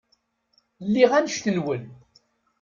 Lliɣ annect-nwen.